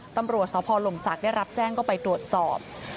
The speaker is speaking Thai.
ตำรวจสพลมศักดิ์ได้รับแจ้งก็ไปตรวจสอบ